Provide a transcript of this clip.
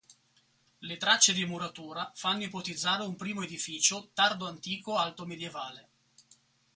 Le tracce di muratura fanno ipotizzare un primo edificio tardoantico-altomedievale.